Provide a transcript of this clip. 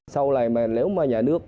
sau này nếu mà nhà nước